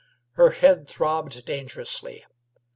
Her head throbbed dangerously.